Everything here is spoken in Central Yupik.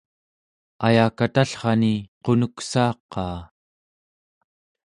ayakatallrani qunuksaaqaa